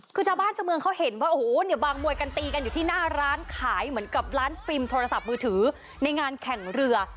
คือชาวบ้านชาวเมืองเขาเห็นว่าโอ้โหเนี่ยบางมวยกันตีกันอยู่ที่หน้าร้านขายเหมือนกับร้านฟิล์มโทรศัพท์มือถือในงานแข่งเรือ